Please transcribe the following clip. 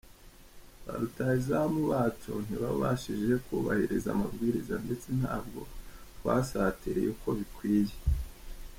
Ba rutahizamu bacu ntibabashije kubahiriza amabwiriza ndetse ntabwo twasatiriye uko bikwiye.